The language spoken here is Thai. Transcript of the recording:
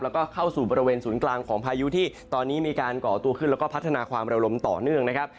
แล้วก็เข้าสู่บริเวณศูนย์กลางของพายุที่ตอนนี้มีการก่อตัวขึ้นแล้วก็พัฒนาความเร็วลมต่อเนื่องนะครับ